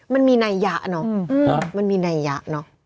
มันมีนายะเนาะ